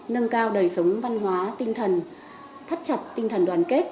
nâng cao đời sống văn hóa tinh thần thắt chặt tinh thần đoàn kết